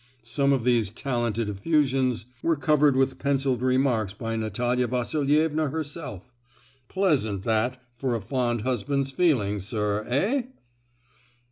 Some of these talented effusions were covered with pencilled remarks by Natalia Vasilievna herself! Pleasant, that, for a fond husband's feelings, sir, eh?"